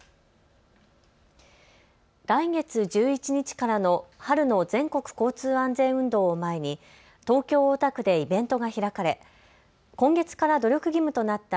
来月１１日からの春の全国交通安全運動を前に東京大田区でイベントが開かれ今月から努力義務となった